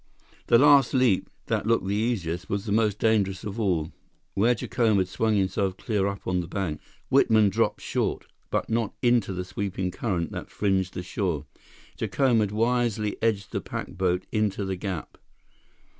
The last leap, that looked the easiest, was the most dangerous of all. Where Jacome had swung himself clear up on the bank, Whitman dropped short, but not into the sweeping current that fringed the shore. Jacome had wisely edged the pack boat into the gap.